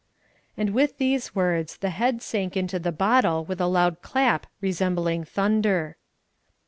And, with these words, the head sank into the bottle with a loud clap resembling thunder.